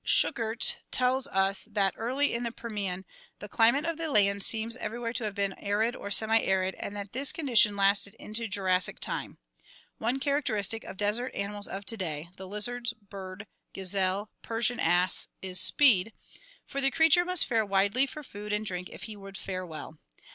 Schuchert tells us that early in the Permian the climate of the lands seems everywhere to have been arid or semiarid and that this condition lasted into Jurassic time. One characteristic of desert animals of to day — the lizards, birds, gazelle, Persian ass — is speed, CURSORIAL AND FOSSORIAL ADAPTATION 307 for the creature must fare widely for food and drink if he would fare well.